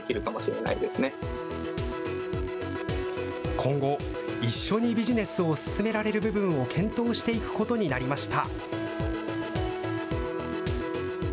今後、一緒にビジネスを進められる部分を検討していくことになりました。